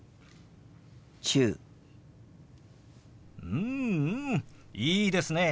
うんうんいいですね。